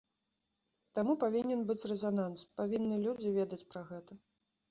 Таму павінен быць рэзананс, павінны людзі ведаць пра гэта.